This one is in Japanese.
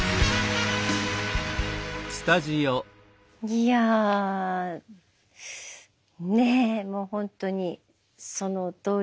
いやぁねぇもうほんとにそのとおりですね。